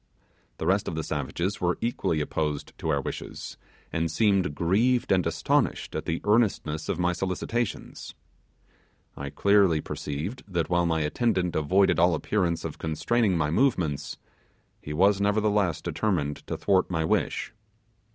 The rest of the savages were equally opposed to our wishes, and seemed grieved and astonished at the earnestness of my solicitations. I clearly perceived that while my attendant avoided all appearance of constraining my movements, he was nevertheless determined to thwart my wishes.